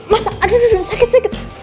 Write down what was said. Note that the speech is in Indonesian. mas aduh duduk sakit sakit